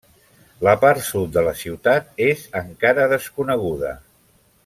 La part sud de la ciutat és encara desconeguda.